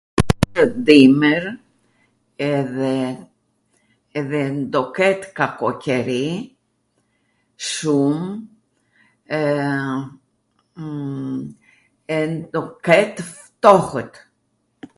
...dimwr, edhe do ket kakoqeri shum, do ket ftohwt.